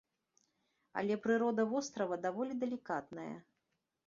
Але прырода вострава даволі далікатная.